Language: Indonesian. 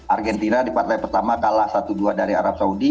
argentina di partai pertama kalah satu dua dari arab saudi